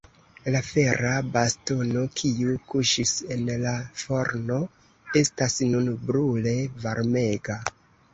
La fera bastono, kiu kuŝis en la forno, estas nun brule varmega.